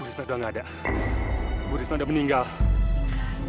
bu risma sudah nggak ada bu risma sudah meninggal